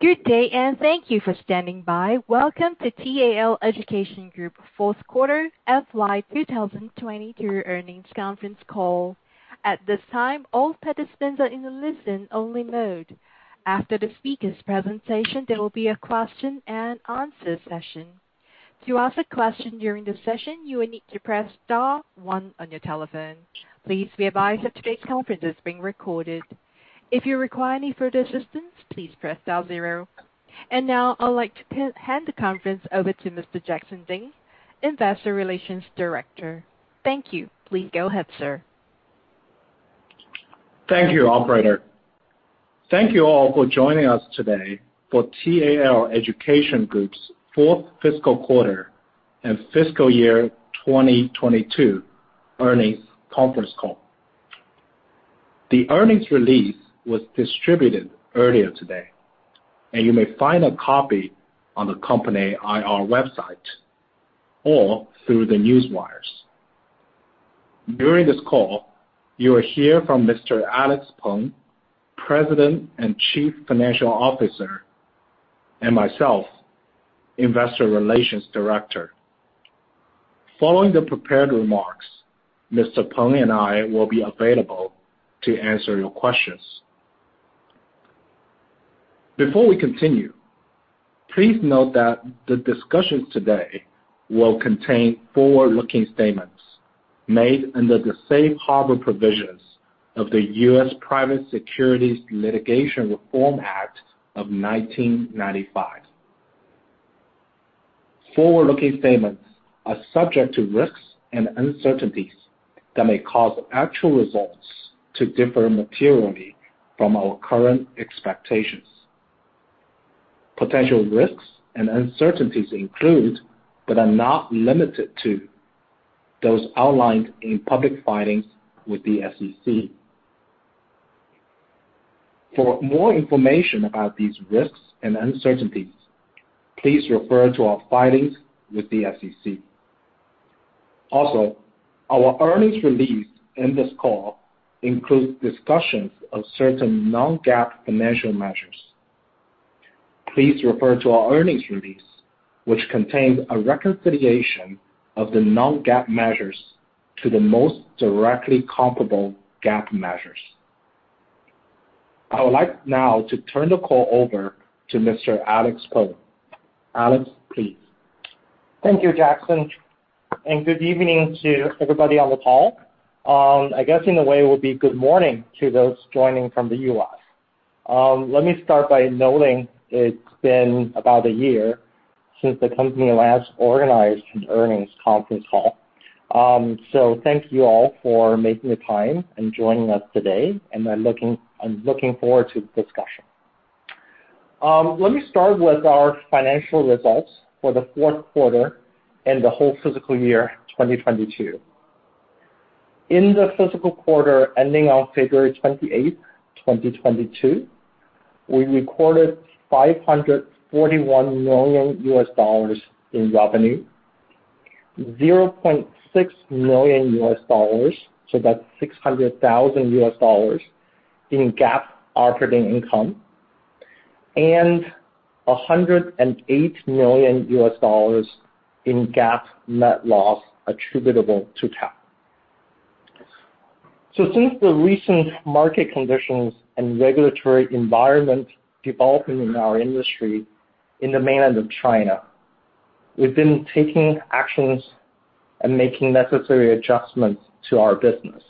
Good day, and thank you for standing by. Welcome to TAL Education Group fourth quarter FY 2022 earnings conference call. At this time, all participants are in a listen-only mode. After the speakers' presentation, there will be a question and answer session. To ask a question during the session, you will need to press star one on your telephone. Please be advised that today's conference is being recorded. If you require any further assistance, please press star zero. Now I'd like to hand the conference over to Mr. Jackson Ding, Investor Relations Director. Thank you. Please go ahead, sir. Thank you, operator. Thank you all for joining us today for TAL Education Group's fourth fiscal quarter and fiscal year 2022 earnings conference call. The earnings release was distributed earlier today, and you may find a copy on the company IR website or through the newswires. During this call, you will hear from Mr. Alex Peng, President and Chief Financial Officer, and myself, Investor Relations Director. Following the prepared remarks, Mr. Peng and I will be available to answer your questions. Before we continue, please note that the discussions today will contain forward-looking statements made under the safe harbor provisions of the U.S. Private Securities Litigation Reform Act of 1995. Forward-looking statements are subject to risks and uncertainties that may cause actual results to differ materially from our current expectations. Potential risks and uncertainties include, but are not limited to, those outlined in public filings with the SEC. For more information about these risks and uncertainties, please refer to our filings with the SEC. Also, our earnings release in this call includes discussions of certain non-GAAP financial measures. Please refer to our earnings release, which contains a reconciliation of the non-GAAP measures to the most directly comparable GAAP measures. I would like now to turn the call over to Mr. Alex Peng. Alex, please. Thank you, Jackson, and good evening to everybody on the call. I guess in a way it would be good morning to those joining from the U.S. Let me start by noting it's been about a year since the company last organized an earnings conference call. Thank you all for making the time and joining us today, and I'm looking forward to the discussion. Let me start with our financial results for the fourth quarter and the whole fiscal year, 2022. In the fiscal quarter ending on February twenty-eighth, 2022, we recorded $541 million in revenue, $0.6 million, so that's $600,000, in GAAP operating income, and $108 million in GAAP net loss attributable to TAL. Since the recent market conditions and regulatory environment developing in our industry in the mainland of China, we've been taking actions and making necessary adjustments to our business.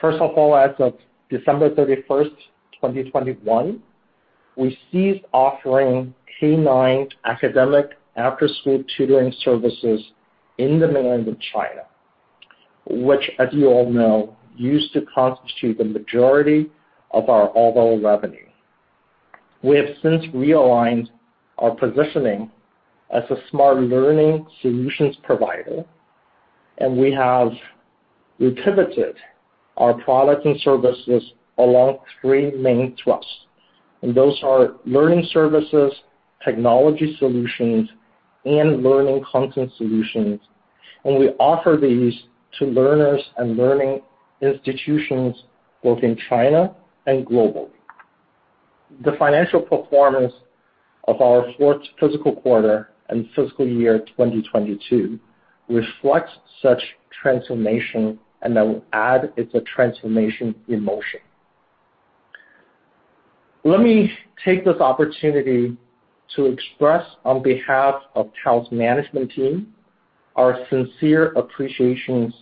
First of all, as of December 31, 2021, we ceased offering K9 academic after-school tutoring services in the mainland of China, which as you all know, used to constitute the majority of our overall revenue. We have since realigned our positioning as a smart learning solutions provider, and we have repivoted our products and services along three main thrusts, and those are learning services, technology solutions, and learning content solutions, and we offer these to learners and learning institutions both in China and globally. The financial performance of our fourth fiscal quarter and fiscal year 2022 reflects such transformation, and I will add it's a transformation in motion. Let me take this opportunity to express on behalf of TAL's management team our sincere appreciations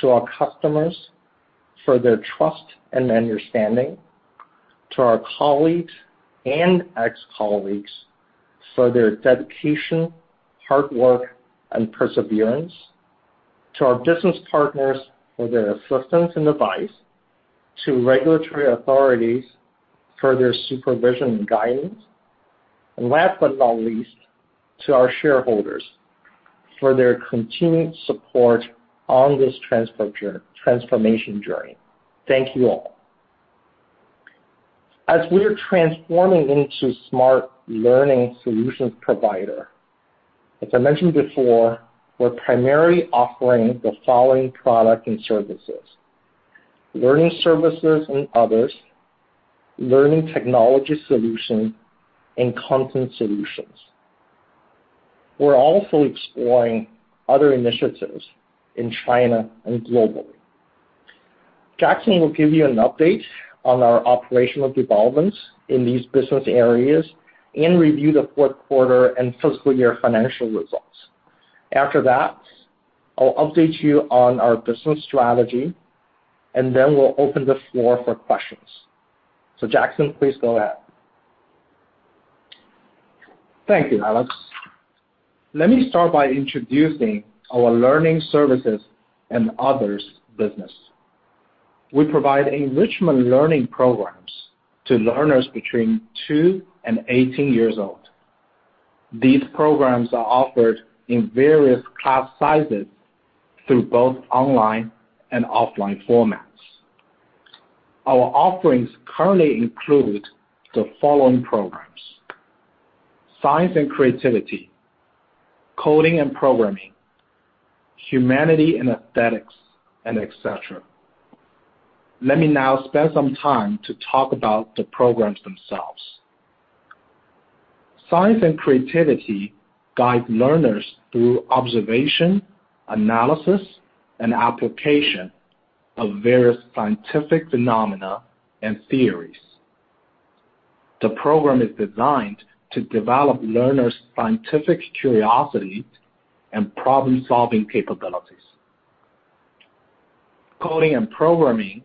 to our customers for their trust and understanding, to our colleagues and ex-colleagues for their dedication, hard work, and perseverance, to our business partners for their assistance and advice, to regulatory authorities for their supervision and guidance. Last but not least, to our shareholders for their continued support on this transformation journey. Thank you all. As we're transforming into smart learning solutions provider. As I mentioned before, we're primarily offering the following products and services, learning services and others, learning technology solution, and content solutions. We're also exploring other initiatives in China and globally. Jackson will give you an update on our operational developments in these business areas and review the fourth quarter and fiscal year financial results. After that, I'll update you on our business strategy, and then we'll open the floor for questions. Jackson, please go ahead. Thank you, Alex. Let me start by introducing our learning services and others business. We provide enrichment learning programs to learners between 2 and 18 years old. These programs are offered in various class sizes through both online and offline formats. Our offerings currently include the following programs, science and creativity, coding and programming, humanities and aesthetics, and et cetera. Let me now spend some time to talk about the programs themselves. Science and creativity guide learners through observation, analysis, and application of various scientific phenomena and theories. The program is designed to develop learners' scientific curiosity and problem-solving capabilities. Coding and programming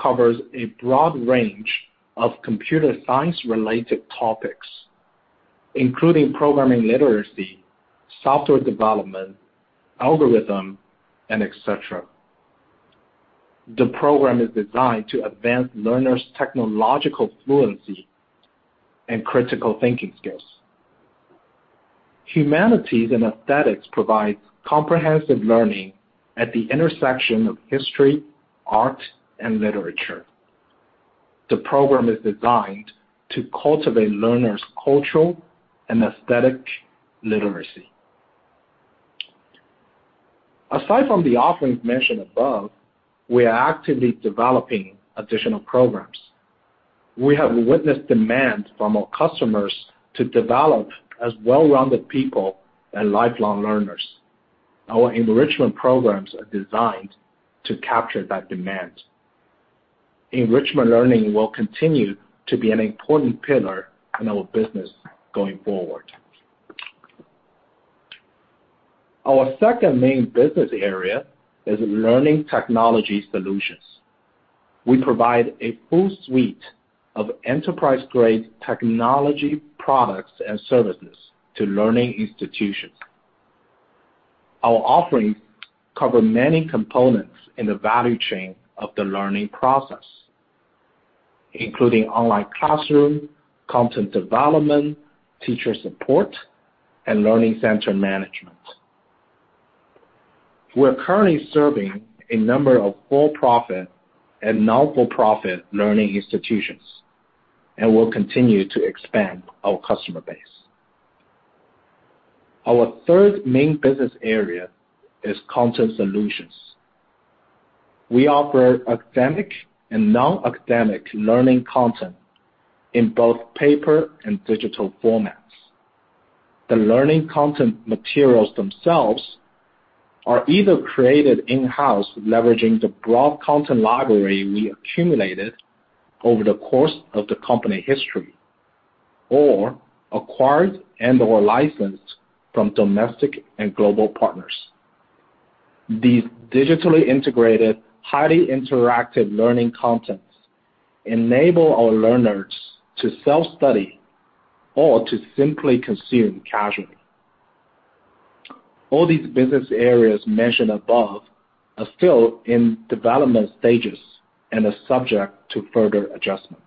covers a broad range of computer science-related topics, including programming literacy, software development, algorithm, and et cetera. The program is designed to advance learners' technological fluency and critical thinking skills. Humanities and aesthetics provides comprehensive learning at the intersection of history, art, and literature. The program is designed to cultivate learners' cultural and aesthetic literacy. Aside from the offerings mentioned above, we are actively developing additional programs. We have witnessed demand from our customers to develop as well-rounded people and lifelong learners. Our enrichment programs are designed to capture that demand. Enrichment learning will continue to be an important pillar in our business going forward. Our second main business area is learning technology solutions. We provide a full suite of enterprise-grade technology products and services to learning institutions. Our offerings cover many components in the value chain of the learning process, including online classroom, content development, teacher support, and learning center management. We are currently serving a number of for-profit and not-for-profit learning institutions and will continue to expand our customer base. Our third main business area is content solutions. We offer academic and non-academic learning content in both paper and digital formats. The learning content materials themselves are either created in-house, leveraging the broad content library we accumulated over the course of the company history, or acquired and/or licensed from domestic and global partners. These digitally integrated, highly interactive learning contents enable our learners to self-study or to simply consume casually. All these business areas mentioned above are still in development stages and are subject to further adjustments.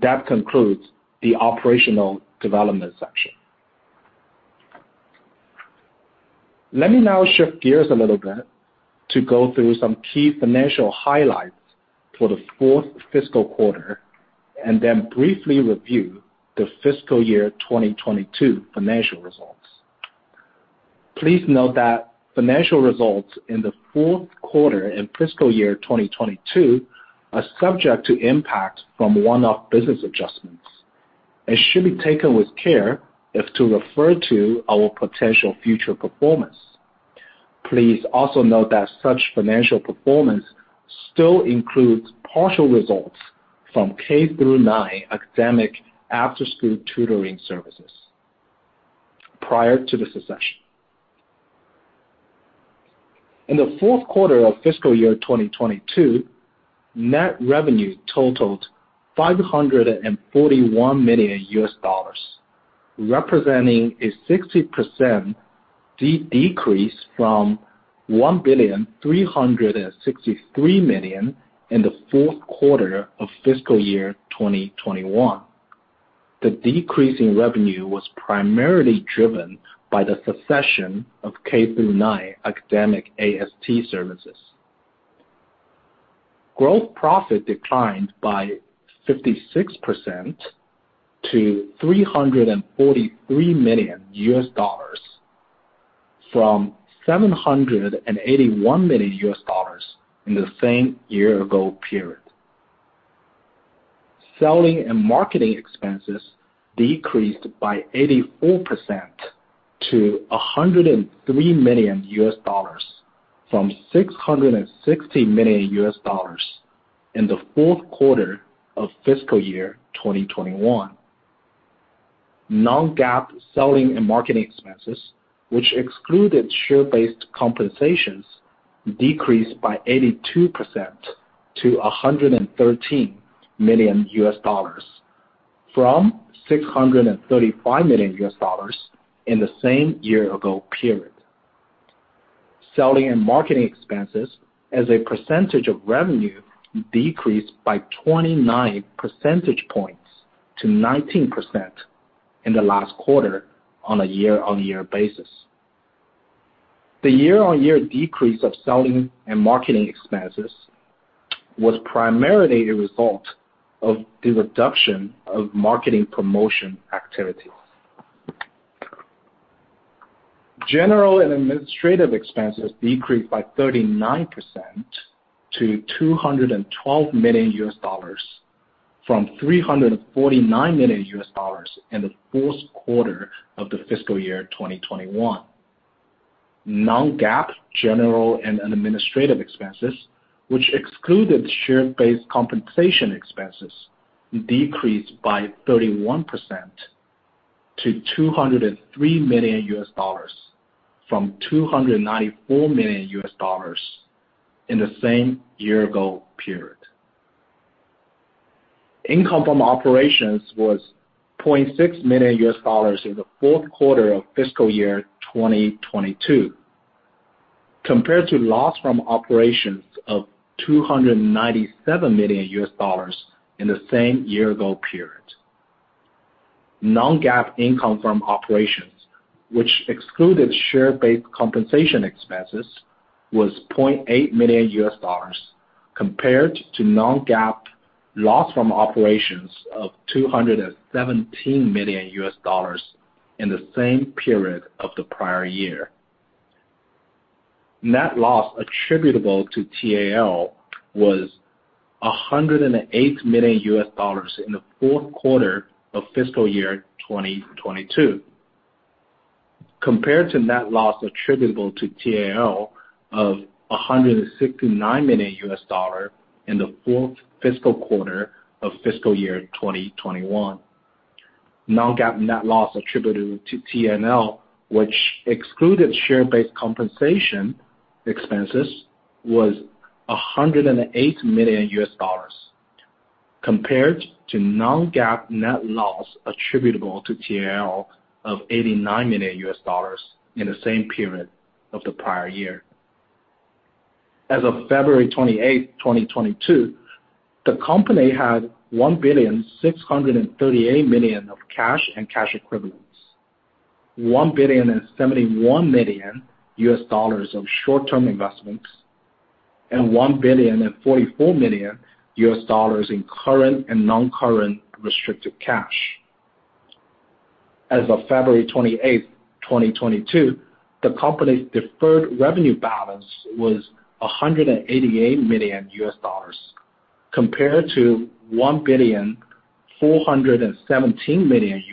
That concludes the operational development section. Let me now shift gears a little bit to go through some key financial highlights for the fourth fiscal quarter, and then briefly review the fiscal year 2022 financial results. Please note that financial results in the fourth quarter and fiscal year 2022 are subject to impact from one-off business adjustments and should be taken with care if used to refer to our potential future performance. Please also note that such financial performance still includes partial results from K-9 academic after-school tutoring services prior to the suspension. In the fourth quarter of fiscal year 2022, net revenue totaled $541 million, representing a 60% decrease from $1,363 million in the fourth quarter of fiscal year 2021. The decrease in revenue was primarily driven by the cessation of K-9 academic AST services. Gross profit declined by 56% to $343 million from $781 million in the same year-ago period. Selling and marketing expenses decreased by 84% to $103 million from $660 million in the fourth quarter of fiscal year 2021. non-GAAP selling and marketing expenses, which excluded share-based compensation, decreased by 82% to $113 million from $635 million in the same year-ago period. Selling and marketing expenses as a percentage of revenue decreased by 29 percentage points to 19% in the last quarter on a year-on-year basis. The year-on-year decrease of selling and marketing expenses was primarily a result of the reduction of marketing promotion activities. General and administrative expenses decreased by 39% to $212 million from $349 million in the fourth quarter of the fiscal year 2021. non-GAAP general and administrative expenses, which excluded share-based compensation expenses, decreased by 31% to $203 million from $294 million in the same year ago period. Income from operations was $0.6 million in the fourth quarter of fiscal year 2022, compared to loss from operations of $297 million in the same year ago period. Non-GAAP income from operations, which excluded share-based compensation expenses, was $0.8 million compared to non-GAAP loss from operations of $217 million in the same period of the prior year. Net loss attributable to TAL was $108 million in the fourth quarter of fiscal year 2022, compared to net loss attributable to TAL of $169 million in the fourth fiscal quarter of fiscal year 2021. Non-GAAP net loss attributable to TAL, which excluded share-based compensation expenses, was $108 million compared to non-GAAP net loss attributable to TAL of $89 million in the same period of the prior year. As of February 28, 2022, the company had $1.638 billion of cash and cash equivalents, $1.071 billion of short-term investments, and $1.044 billion in current and non-current restricted cash. As of February 28, 2022, the company's deferred revenue balance was $188 million compared to $1.417 billion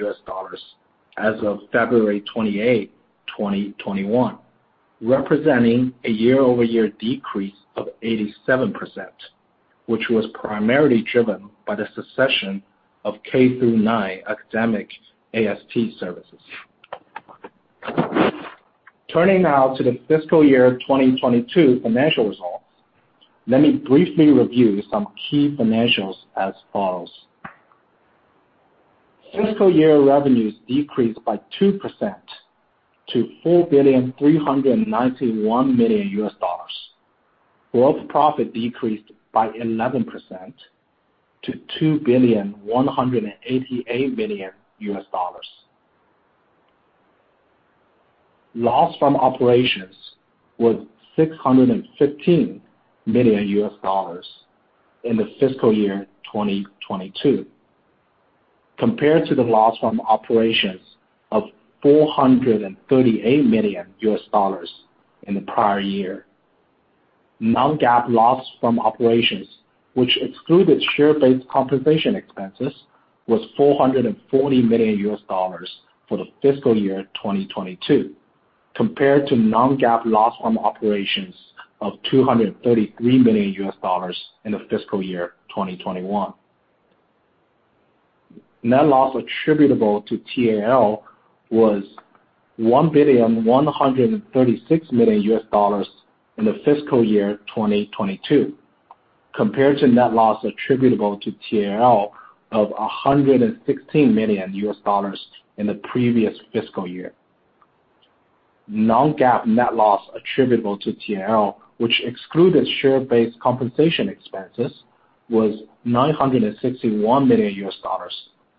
as of February 28, 2021, representing a year-over-year decrease of 87%, which was primarily driven by the suspension of K-9 academic AST services. Turning now to the fiscal year 2022 financial results, let me briefly review some key financials as follows. Fiscal year revenues decreased by 2% to $4.391 billion. Gross profit decreased by 11% to $2.188 billion. Loss from operations was $615 million in fiscal year 2022, compared to the loss from operations of $438 million in the prior year. non-GAAP loss from operations, which excluded share-based compensation expenses, was $440 million for fiscal year 2022, compared to non-GAAP loss from operations of $233 million in fiscal year 2021. Net loss attributable to TAL was $1.136 billion in fiscal year 2022, compared to net loss attributable to TAL of $116 million in the previous fiscal year. Non-GAAP net loss attributable to TAL, which excluded share-based compensation expenses, was $961 million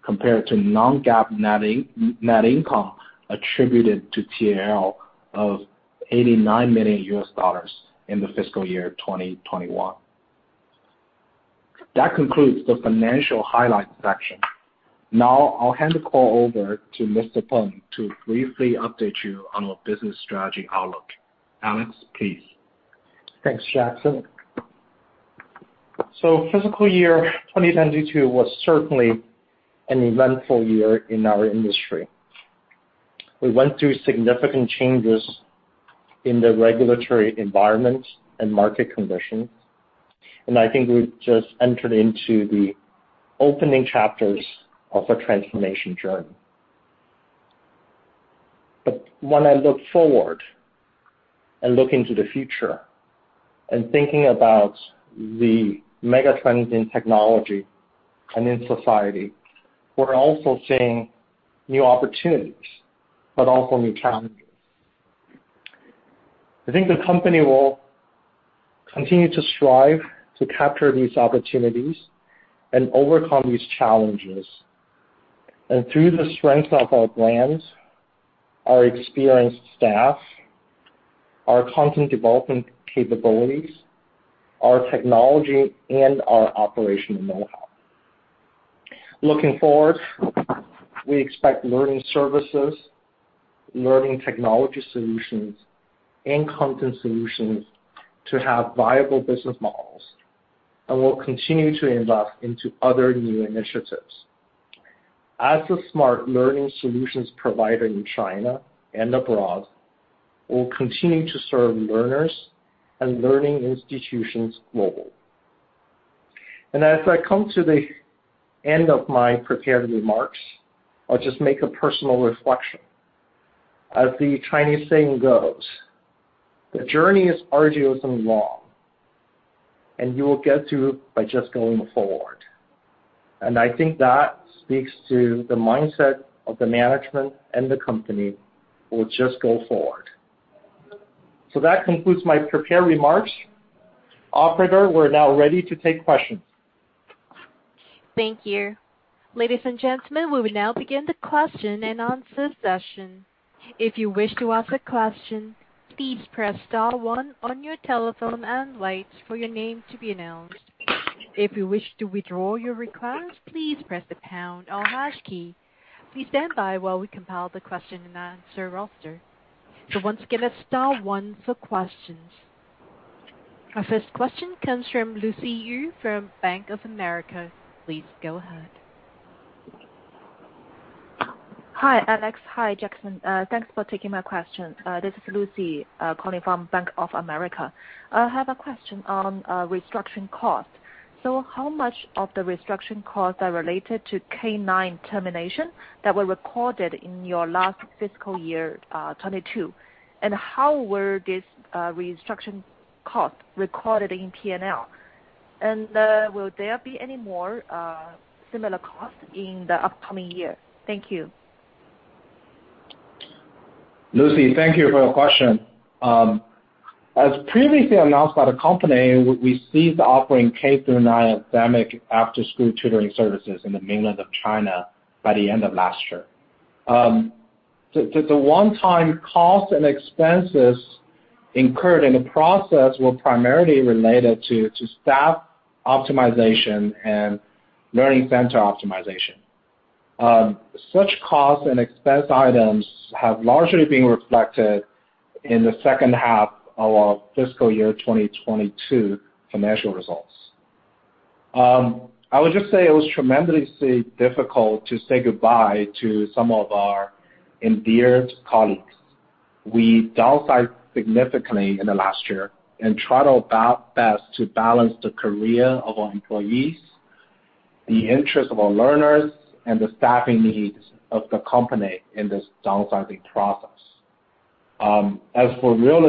compared to non-GAAP net income attributable to TAL of $89 million in the fiscal year 2021. That concludes the financial highlights section. Now, I'll hand the call over to Mr. Peng to briefly update you on our business strategy outlook. Alex, please. Thanks, Jackson. Fiscal year 2022 was certainly an eventful year in our industry. We went through significant changes in the regulatory environment and market conditions, and I think we've just entered into the opening chapters of a transformation journey. When I look forward and look into the future and thinking about the mega trends in technology and in society, we're also seeing new opportunities, but also new challenges. I think the company will continue to strive to capture these opportunities and overcome these challenges, and through the strength of our brands, our experienced staff, our content development capabilities, our technology, and our operational know-how. Looking forward, we expect learning services, learning technology solutions, and content solutions to have viable business models, and we'll continue to invest into other new initiatives. As a smart learning solutions provider in China and abroad, we'll continue to serve learners and learning institutions globally. As I come to the end of my prepared remarks, I'll just make a personal reflection. As the Chinese saying goes, "The journey is arduous and long, and you will get through by just going forward." I think that speaks to the mindset of the management and the company. We'll just go forward. That concludes my prepared remarks. Operator, we're now ready to take questions. Thank you. Ladies and gentlemen, we will now begin the question-and-answer session. If you wish to ask a question, please press star one on your telephone and wait for your name to be announced. If you wish to withdraw your request, please press the pound or hash key. Please stand by while we compile the question-and-answer roster. Once again, it's star one for questions. Our first question comes from Lucy Yu from Bank of America. Please go ahead. Hi, Alex. Hi, Jackson. Thanks for taking my questions. This is Lucy, calling from Bank of America. I have a question on restructuring costs. How much of the restructuring costs are related to K-9 termination that were recorded in your last fiscal year 2022? And how were these restructuring costs recorded in PNL? And, will there be any more similar costs in the upcoming year? Thank you. Lucy, thank you for your question. As previously announced by the company, we ceased offering K-9 academic after-school tutoring services in the mainland of China by the end of last year. The one-time costs and expenses incurred in the process were primarily related to staff optimization and learning center optimization. Such costs and expense items have largely been reflected in the second half of our fiscal year 2022 financial results. I would just say it was tremendously difficult to say goodbye to some of our endeared colleagues. We downsized significantly in the last year and tried our best to balance the career of our employees, the interest of our learners, and the staffing needs of the company in this downsizing process. As for real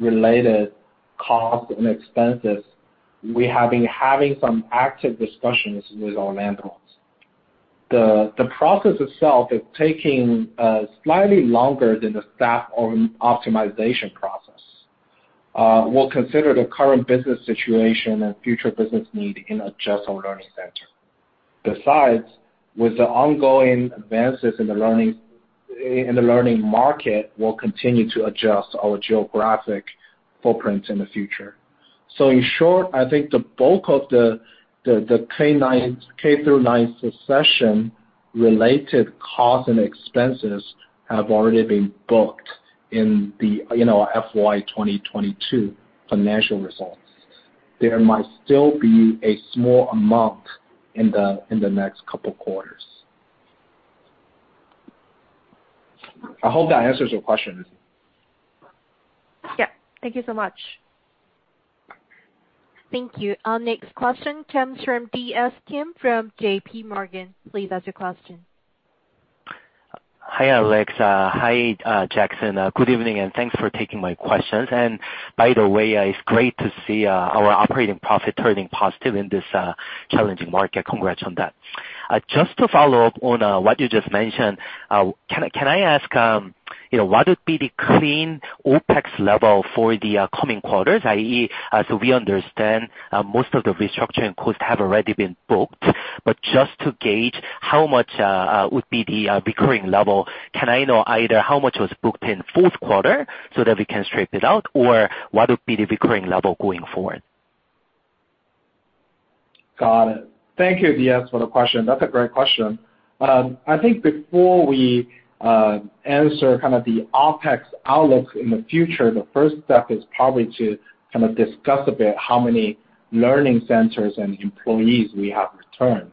estate-related costs and expenses, we have been having some active discussions with our landlords. The process itself is taking slightly longer than the staff optimization process. We'll consider the current business situation and future business need in adjusting our learning center. Besides, with the ongoing advances in the learning market, we'll continue to adjust our geographic footprint in the future. In short, I think the bulk of the K-9 cessation-related costs and expenses have already been booked in the, you know, FY 2022 financial results. There might still be a small amount in the next couple quarters. I hope that answers your question. Yeah. Thank you so much. Thank you. Our next question comes from D.S. Kim from J.P. Morgan. Please ask your question. Hi, Alex. Hi, Jackson. Good evening, and thanks for taking my questions. By the way, it's great to see our operating profit turning positive in this challenging market. Congrats on that. Just to follow up on what you just mentioned, can I ask, you know, what would be the clean OpEx level for the coming quarters, i.e. as we understand most of the restructuring costs have already been booked. But just to gauge how much would be the recurring level, can I know either how much was booked in fourth quarter so that we can strip it out? Or what would be the recurring level going forward? Got it. Thank you, D.S., for the question. That's a great question. I think before we answer kind of the OpEx outlook in the future, the first step is probably to kind of discuss a bit how many learning centers and employees we have retained.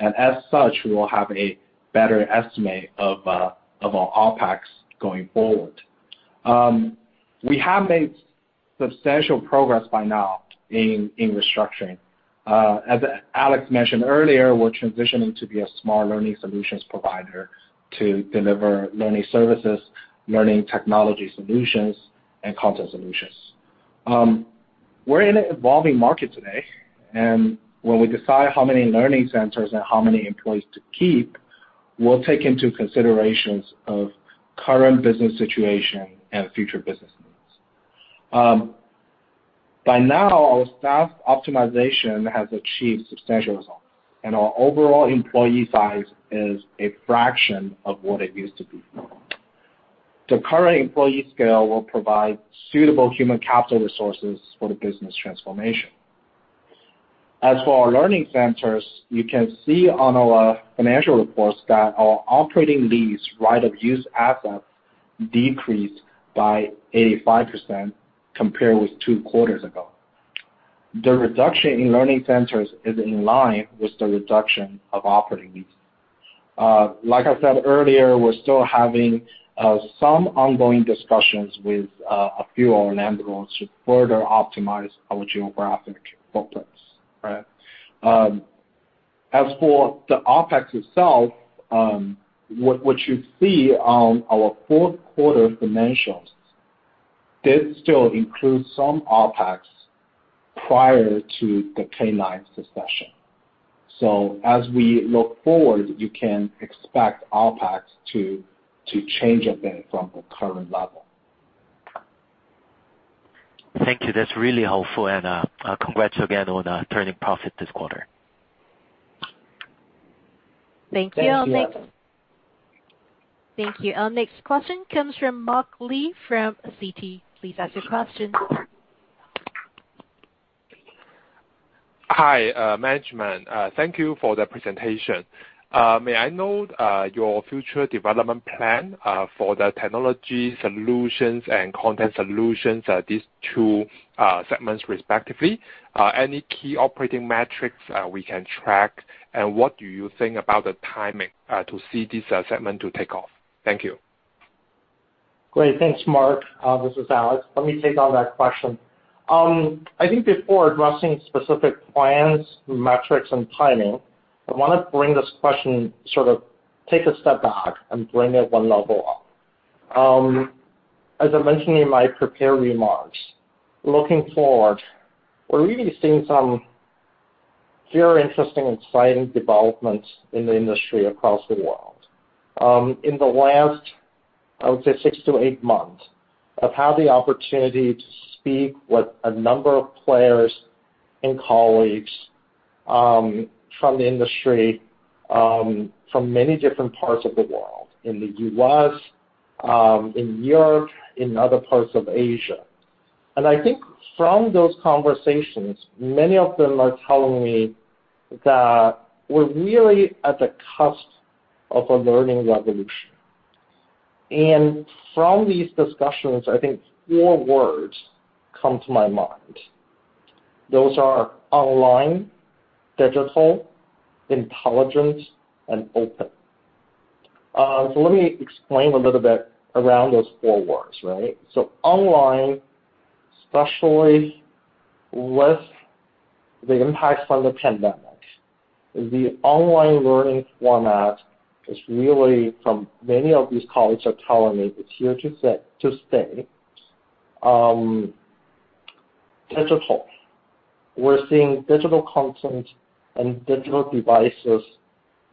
As such, we will have a better estimate of our OpEx going forward. We have made substantial progress by now in restructuring. As Alex mentioned earlier, we're transitioning to be a smart learning solutions provider to deliver learning services, learning technology solutions, and content solutions. We're in an evolving market today, and when we decide how many learning centers and how many employees to keep, we'll take into consideration of current business situation and future business needs. By now, our staff optimization has achieved substantial results, and our overall employee size is a fraction of what it used to be. The current employee scale will provide suitable human capital resources for the business transformation. As for our learning centers, you can see on our financial reports that our operating lease right of use assets decreased by 85% compared with two quarters ago. The reduction in learning centers is in line with the reduction of operating lease. Like I said earlier, we're still having some ongoing discussions with a few of our landlords to further optimize our geographic footprints, right? As for the OpEx itself, what you see on our fourth quarter financials did still include some OpEx prior to the K9 cessation. As we look forward, you can expect OpEx to change a bit from the current level. Thank you. That's really helpful. Congrats again on turning profit this quarter. Thank you. Thank you. Our next question comes from Mark Lee from Citi. Please ask your question. Hi, management. Thank you for the presentation. May I know your future development plan for the technology solutions and content solutions at these two segments respectively? Any key operating metrics we can track? What do you think about the timing to see this segment to take off? Thank you. Great. Thanks, Mark. This is Alex. Let me take on that question. I think before addressing specific plans, metrics and timing, I wanna bring this question, sort of take a step back and bring it one level up. As I mentioned in my prepared remarks, looking forward, we're really seeing some very interesting exciting developments in the industry across the world. In the last, I would say, 6-8 months, I've had the opportunity to speak with a number of players and colleagues, from the industry, from many different parts of the world, in the U.S., in Europe, in other parts of Asia. I think from those conversations, many of them are telling me that we're really at the cusp of a learning revolution. From these discussions, I think four words come to my mind. Those are online, digital, intelligence, and open. Let me explain a little bit around those four words, right? Online, especially with the impact from the pandemic, the online learning format is really, from many of these colleagues are telling me, it's here to stay. Digital. We're seeing digital content and digital devices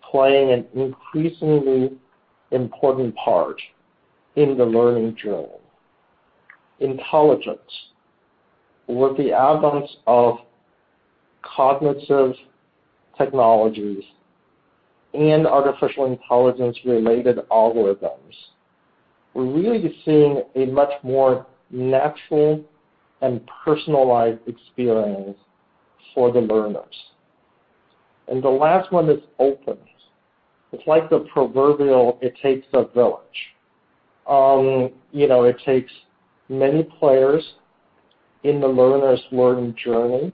playing an increasingly important part in the learning journey. Intelligence. With the advent of cognitive technologies and artificial intelligence-related algorithms, we're really seeing a much more natural and personalized experience for the learners. The last one is open. It's like the proverbial it takes a village. You know, it takes many players in the learner's learning journey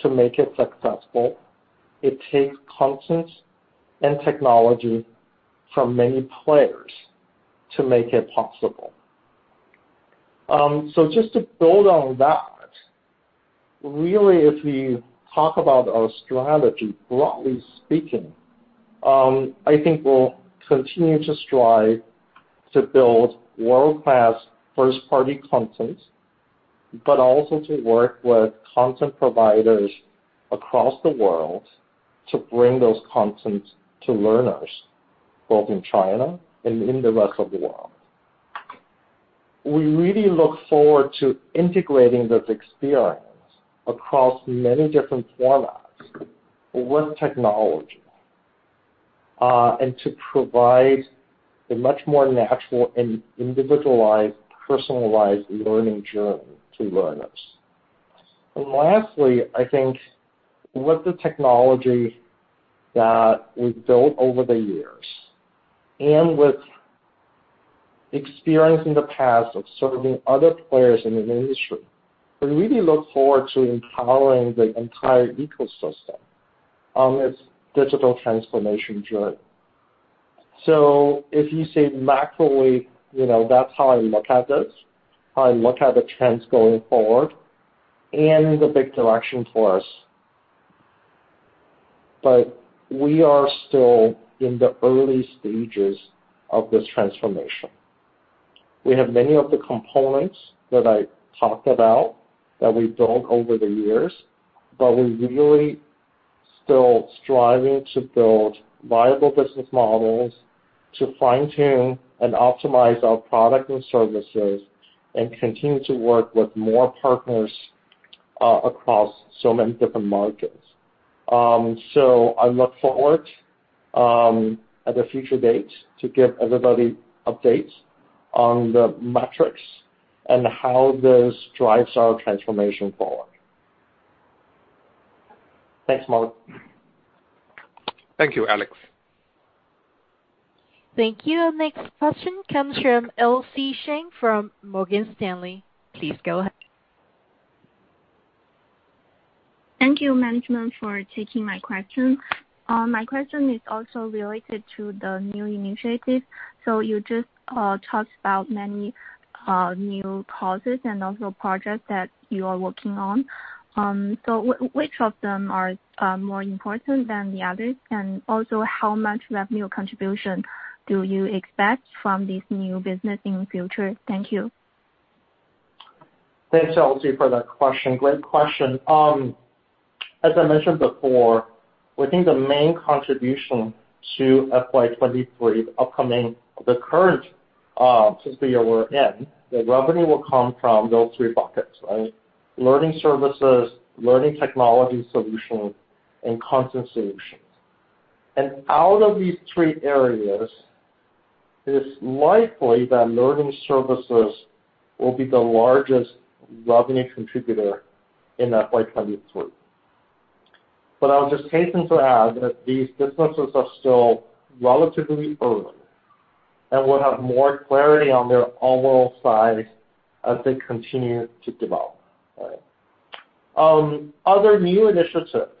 to make it successful. It takes content and technology from many players to make it possible. Just to build on that, really, if we talk about our strategy, broadly speaking, I think we'll continue to strive to build world-class first-party content. Also to work with content providers across the world to bring those contents to learners, both in China and in the rest of the world. We really look forward to integrating this experience across many different formats with technology, and to provide a much more natural and individualized, personalized learning journey to learners. Lastly, I think with the technology that we've built over the years and with experience in the past of serving other players in an industry, we really look forward to empowering the entire ecosystem on this digital transformation journey. If you say macro-ly, you know, that's how I look at this, how I look at the trends going forward and the big direction for us. We are still in the early stages of this transformation. We have many of the components that I talked about that we've built over the years, but we're really still striving to build viable business models to fine-tune and optimize our product and services and continue to work with more partners across so many different markets. I look forward at a future date to give everybody updates on the metrics and how this drives our transformation forward. Thanks, Mark. Thank you, Alex. Thank you. Next question comes from Elsie Sheng from Morgan Stanley. Please go ahead. Thank you, management, for taking my question. My question is also related to the new initiative. You just talked about many new courses and also projects that you are working on. Which of them are more important than the others? Also, how much revenue contribution do you expect from this new business in the future? Thank you. Thanks, Elsie, for that question. Great question. As I mentioned before, we think the main contribution to FY23, the current fiscal year we're in, the revenue will come from those three buckets, right? Learning services, learning technology solutions, and content solutions. Out of these three areas, it is likely that learning services will be the largest revenue contributor in FY23. I'll just hasten to add that these businesses are still relatively early and will have more clarity on their overall size as they continue to develop. Other new initiatives,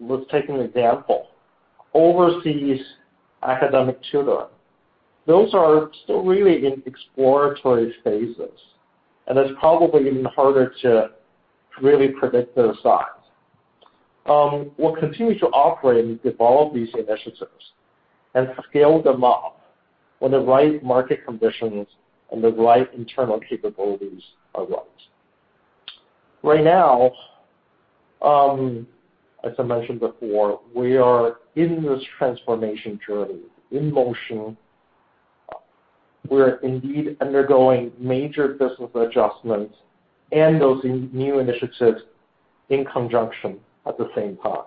let's take an example, overseas academic tutoring. Those are still really in exploratory phases, and it's probably even harder to really predict their size. We'll continue to operate and develop these initiatives and scale them up when the right market conditions and the right internal capabilities are right. Right now, as I mentioned before, we are in this transformation journey in motion. We're indeed undergoing major business adjustments and those new initiatives in conjunction at the same time.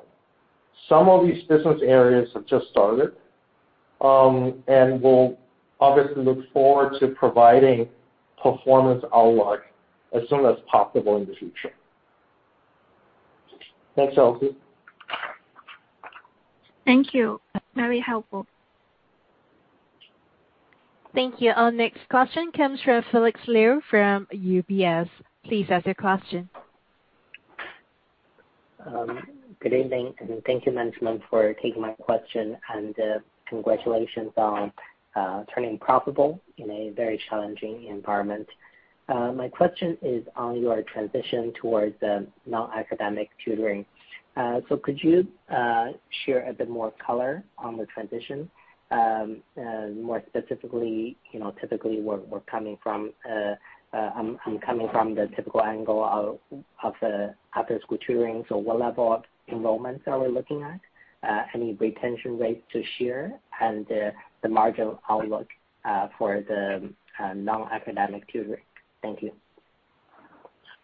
Some of these business areas have just started, and we'll obviously look forward to providing performance outlook as soon as possible in the future. Thanks, Elsie. Thank you. Very helpful. Thank you. Our next question comes from Felix Liu from UBS. Please ask your question. Good evening, and thank you, management, for taking my question, and congratulations on turning profitable in a very challenging environment. My question is on your transition towards the non-academic tutoring. Could you share a bit more color on the transition? More specifically, you know, typically we're coming from, I'm coming from the typical angle of the after-school tutoring, so what level of enrollments are we looking at? Any retention rates to share and the margin outlook for the non-academic tutoring? Thank you.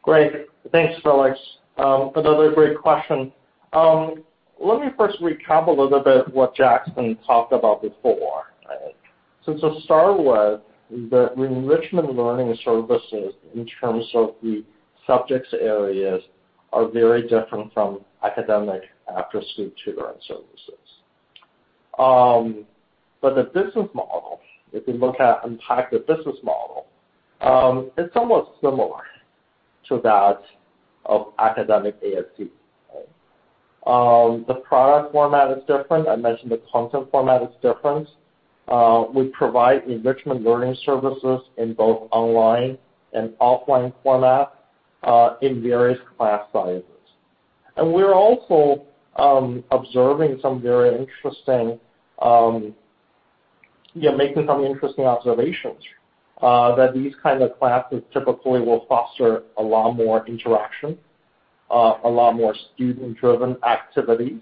Great. Thanks, Felix. Another great question. Let me first recap a little bit what Jackson talked about before. To start with, the enrichment learning services in terms of the subject areas are very different from academic after-school tutoring services. The business model, if you look at, unpack the business model, it's almost similar to that of academic AST. The product format is different. I mentioned the content format is different. We provide enrichment learning services in both online and offline format, in various class sizes. We're also making some interesting observations, that these kind of classes typically will foster a lot more interaction, a lot more student-driven activity.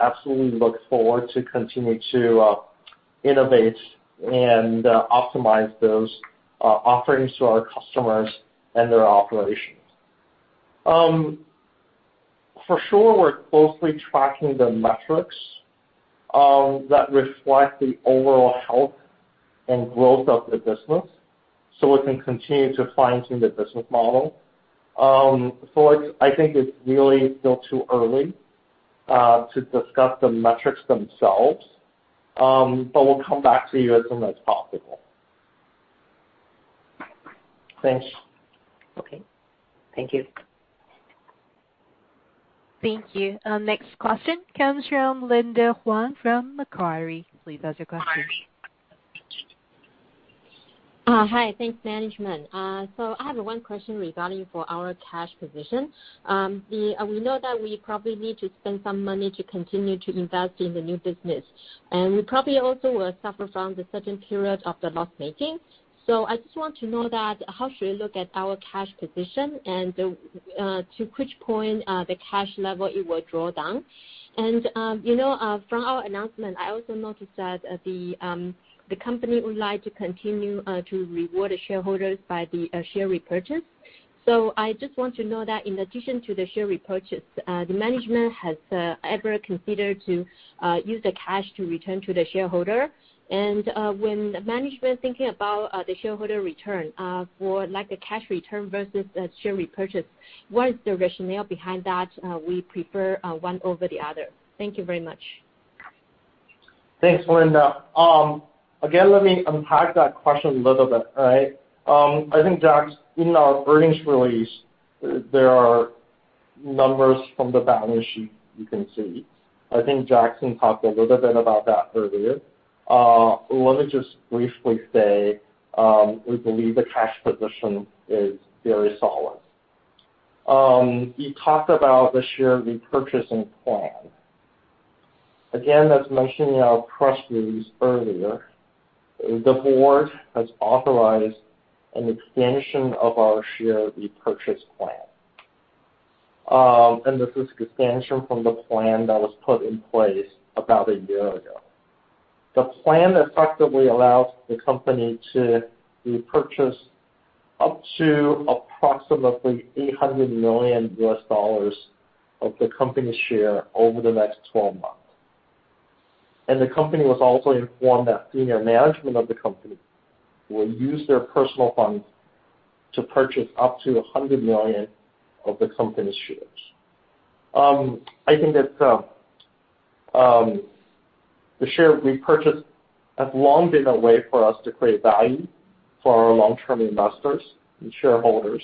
We absolutely look forward to continue to innovate and optimize those offerings to our customers and their operations. For sure, we're closely tracking the metrics that reflect the overall health and growth of the business, so we can continue to fine-tune the business model. I think it's really still too early to discuss the metrics themselves. We'll come back to you as soon as possible. Thanks. Okay. Thank you. Thank you. Our next question comes from Linda Huang from Macquarie. Please ask your question. Hi. Thanks, management. I have one question regarding for our cash position. We know that we probably need to spend some money to continue to invest in the new business, and we probably also will suffer from the certain period of the loss-making. I just want to know that how should we look at our cash position and to which point the cash level it will draw down. You know, from our announcement, I also noticed that the company would like to continue to reward the shareholders by the share repurchase. I just want to know that in addition to the share repurchase, the management has ever considered to use the cash to return to the shareholder. When the management thinking about the shareholder return for like the cash return versus the share repurchase, what is the rationale behind that we prefer one over the other? Thank you very much. Thanks, Linda. Again, let me unpack that question a little bit, all right? I think, Jackson, in our earnings release, there are numbers from the balance sheet you can see. I think Jackson talked a little bit about that earlier. Let me just briefly say, we believe the cash position is very solid. You talked about the share repurchasing plan. Again, as mentioned in our press release earlier, the board has authorized an expansion of our share repurchase plan. This is expansion from the plan that was put in place about a year ago. The plan effectively allows the company to repurchase up to approximately $800 million of the company's shares over the next 12 months. The company was also informed that senior management of the company will use their personal funds to purchase up to 100 million of the company's shares. I think that the share repurchase has long been a way for us to create value for our long-term investors and shareholders.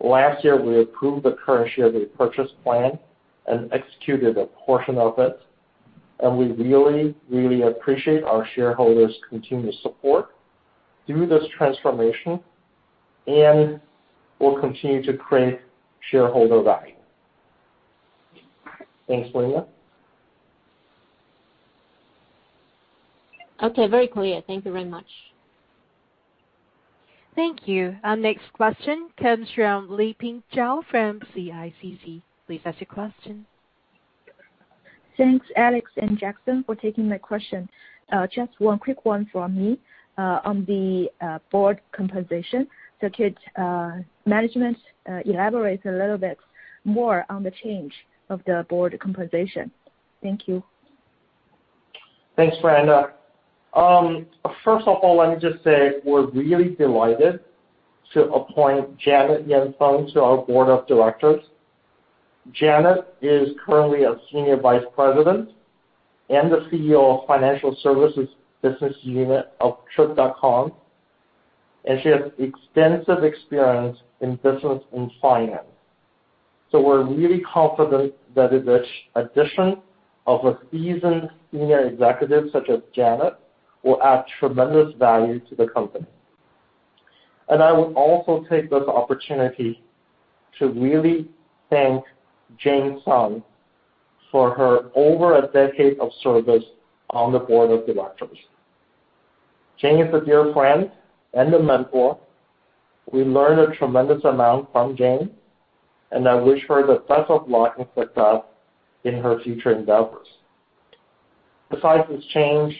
Last year, we approved the current share repurchase plan and executed a portion of it, and we really appreciate our shareholders' continuous support through this transformation, and we'll continue to create shareholder value. Thanks, Linda. Okay. Very clear. Thank you very much. Thank you. Our next question comes from Liping Zhao from CICC. Please ask your question. Thanks, Alex and Jackson, for taking my question. Just one quick one from me on the board composition. Could management elaborate a little bit more on the change of the board composition? Thank you. Thanks, Liping. First of all, let me just say we're really delighted to appoint Janet Yan Feng to our board of directors. Janet is currently a senior vice president and the CEO of Financial Services business unit of Trip.com, and she has extensive experience in business and finance. We're really confident that the addition of a seasoned senior executive such as Janet will add tremendous value to the company. I will also take this opportunity to really thank Jane Sun for her over a decade of service on the board of directors. Jane is a dear friend and a mentor. We learned a tremendous amount from Jane, and I wish her the best of luck and success in her future endeavors. Besides this change,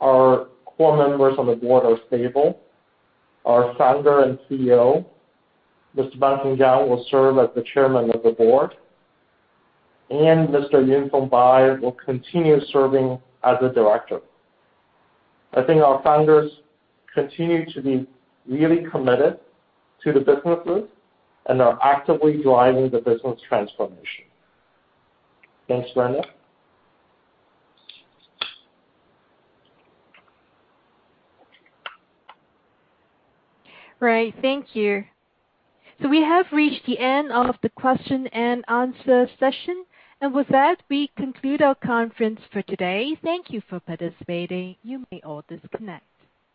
our core members on the board are stable. Our founder and CEO, Mr. Bangxin Zhang will serve as the chairman of the board, and Mr. Yunfeng Bai will continue serving as a director. I think our founders continue to be really committed to the businesses and are actively driving the business transformation. Thanks, Liping. Right. Thank you. We have reached the end of the question-and-answer session. With that, we conclude our conference for today. Thank you for participating. You may all disconnect.